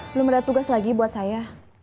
belum ada tugas lagi buat saya